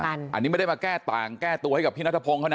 อันนี้ไม่ได้มาแก้ต่างแก้ตัวให้กับพี่นัทพงศ์เขานะ